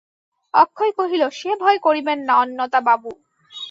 অক্ষয় কহিল, সে ভয় করিবেন না অন্নদাবাবু।